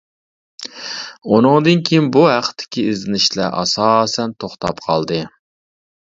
ئۇنىڭدىن كىيىن بۇ ھەقتىكى ئىزدىنىشلەر ئاساسەن توختاپ قالدى.